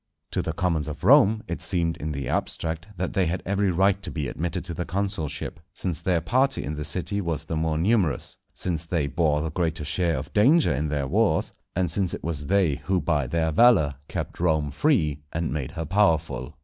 To the commons of Rome it seemed, in the abstract, that they had every right to be admitted to the consulship, since their party in the city was the more numerous, since they bore the greater share of danger in their wars, and since it was they who by their valour kept Rome free and made her powerful.